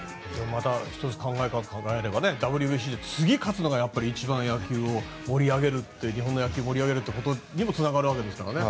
また、１つ考えればＷＢＣで次勝つのが一番野球を盛り上がる日本の野球を盛り上げることにもつながるわけですからね。